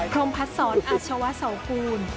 พรหมพัดสอนอาชวะเสาคูณ